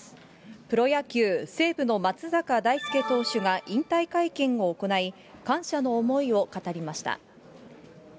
プロ野球・西武の松坂大輔投手が引退会見を行い、感謝の思いを語りました。